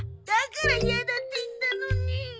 だから嫌だって言ったのに。